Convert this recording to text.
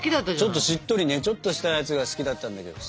ちょっとしっとりねちょっとしたやつが好きだったんだけどさ。